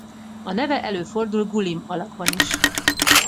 A neve előfordul Gullim alakban is.